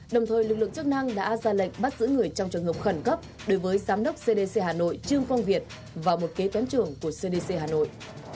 đồng thời lực lượng chức năng đã ra lệnh bắt giữ người trong trường hợp khẩn cấp đối với giám đốc cdc hà nội trương quang việt và một kế toán trưởng của cdc hà nội